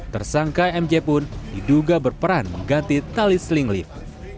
tersangka mj pun diduga berperan mengganti tali seling lift